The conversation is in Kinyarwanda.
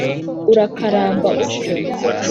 urakaramba utyo.